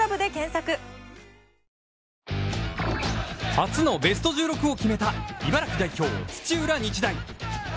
初のベスト１６を決めた茨城代表・土浦日大。